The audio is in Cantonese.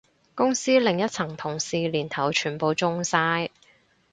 公司另一層同事年頭全部中晒